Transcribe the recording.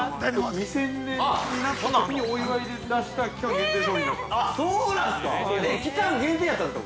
◆２０００年になったときにお祝いで出した期間限定の商品だったんですよ。